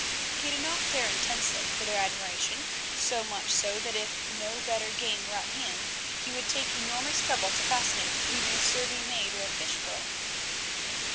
But he did care intensely for their admiration, so much so that if no better game were at hand, he would take enormous trouble to fascinate even a serving maid or a fish girl.